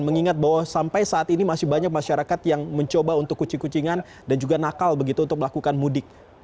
mengingat bahwa sampai saat ini masih banyak masyarakat yang mencoba untuk kucing kucingan dan juga nakal begitu untuk melakukan mudik